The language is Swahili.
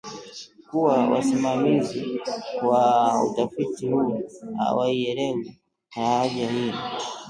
kuwa wasimamizi wa utafiti huu hawaielewi lahaja hii